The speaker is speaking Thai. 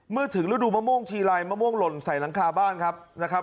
ถึงฤดูมะม่วงทีไรมะม่วงหล่นใส่หลังคาบ้านครับนะครับ